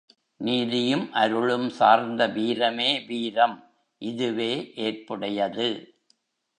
நீதியும் அருளும் சார்ந்த வீரமே வீரம் இதுவே ஏற்புடையது.